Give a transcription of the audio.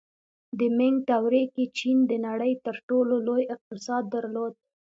د مینګ دورې کې چین د نړۍ تر ټولو لوی اقتصاد درلود.